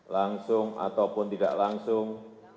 langsung ataupun tidak langsung